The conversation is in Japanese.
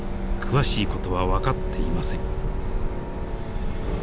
詳しい事は分かっていません。